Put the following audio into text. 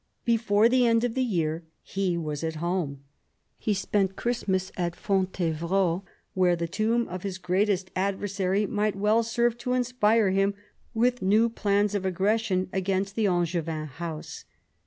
Before the end of the year he was at home. He spent Christmas at Fontevrault, where the tomb of his greatest adversary might well serve to inspire him with new plans of aggression against the Angevin house.